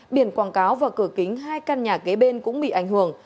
biển quảng cáo và cửa kính hai căn nhà kế bên cũng bị ảnh hưởng